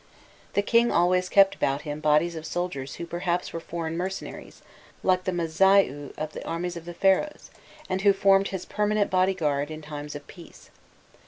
The king always kept about him bodies of soldiers who perhaps were foreign mercenaries, like the Mazaiu of the armies of the Pharaohs, and who formed his permanent body guard in times of peace.